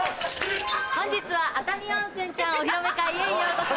本日は熱海温泉ちゃんお披露目会へようこそ。